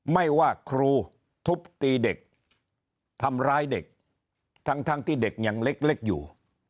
ไม่ว่าครูทุบตีเด็กทำร้ายเด็กทั้งที่เด็กยังเล็กอยู่